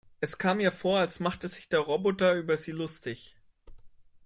Es kam ihr vor, als machte sich der Roboter über sie lustig.